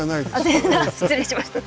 失礼しました。